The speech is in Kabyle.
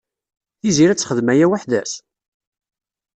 Tiziri ad texdem aya weḥd-s?